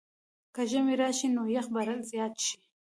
که ژمی راشي، نو یخ به زیات شي.